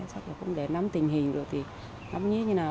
chắc là cũng để nắm tình hình rồi thì nắm như thế nào